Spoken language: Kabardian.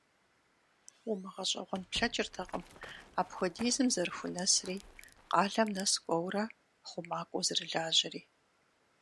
УмыгъэщӀэгъуэн плъэкӀыртэкъым апхуэдизым зэрыхунэсри, къалэм нэс кӀуэурэ, хъумакӀуэу зэрылажьэри.